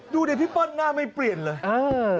ดูดิพี่เปิ้ลหน้าไม่เปลี่ยนเลยเออ